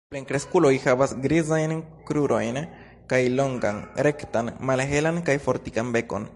Plenkreskuloj havas grizajn krurojn kaj longan, rektan, malhelan kaj fortikan bekon.